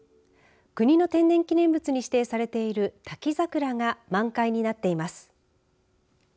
国の天然記念物に指定されている滝桜が満開になっています。